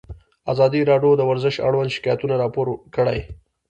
ازادي راډیو د ورزش اړوند شکایتونه راپور کړي.